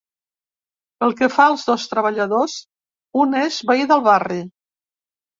Pel que fa als dos treballadors, un és veí del barri.